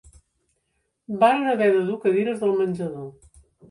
Varen haver de dur cadires del menjador